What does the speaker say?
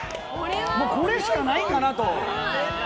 これしかないんかなと。